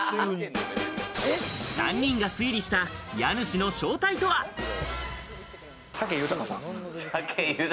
３人が推理した家主の正体と武豊さん？